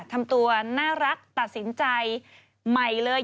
ทำตัวน่ารักตัดสินใจใหม่เลย